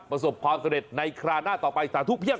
ประสบความสำเร็จในคราวหน้าต่อไปสาธุเพียบ